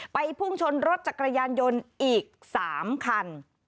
พุ่งชนรถจักรยานยนต์อีก๓คัน